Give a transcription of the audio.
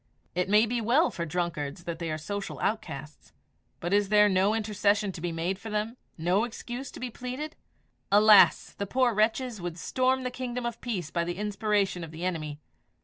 It may be well for drunkards that they are social outcasts, but is there no intercession to be made for them no excuse to be pleaded? Alas! the poor wretches would storm the kingdom of peace by the inspiration of the enemy.